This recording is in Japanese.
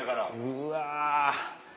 うわ。